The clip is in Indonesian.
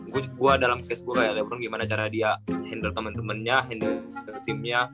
gue dalam case gue kayak lebron gimana cara dia handle temen temennya handle timnya